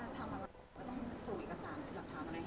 ต้องส่งอีกสารและหลักฐานเป็นใคร